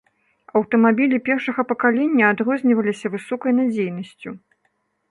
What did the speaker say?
Аўтамабілі першага пакалення адрозніваліся высокай надзейнасцю.